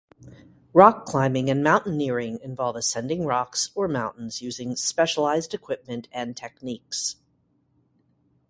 Rock climbing and mountaineering involve ascending rocks or mountains using specialized equipment and techniques.